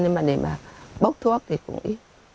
nhưng mà để mà bốc thuốc thì cũng ít